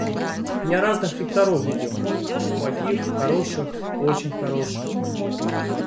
Я разных лекторов видел: плохих, хороших, очень хороших...